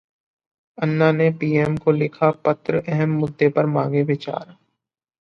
अन्ना ने पीएम को लिखा पत्र, अहम मुद्दे पर मांगे विचार